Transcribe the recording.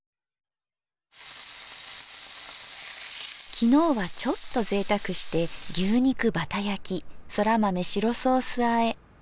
昨日はちょっと贅沢して牛肉バタ焼きそら豆白ソースあえ。